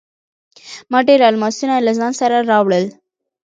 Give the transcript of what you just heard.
ما ډیر الماسونه له ځان سره راوړل.